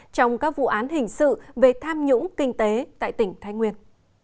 trong các vụ án hình sự về tham nhũng kinh tế tại tỉnh thái nguyên